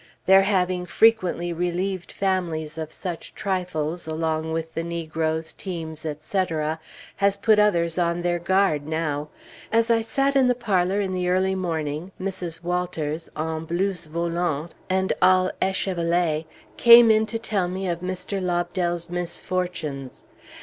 Their having frequently relieved families of such trifles, along with negroes, teams, etc., has put others on their guard now. As I sat in the parlor in the early morning, Mrs. Walters en blouse volante and all échevelée, came in to tell me of Mr. Lobdell's misfortunes.